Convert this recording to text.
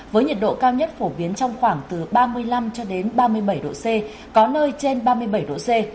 với nhiệt độ cao nhất phổ biến trong khoảng từ ba mươi năm cho đến ba mươi bảy độ c có nơi trên ba mươi bảy độ c